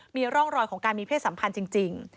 มีร่องรอยของการมีเพศสัมพันธ์จริง